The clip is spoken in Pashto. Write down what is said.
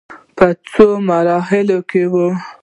په څو مرحلو کې وې.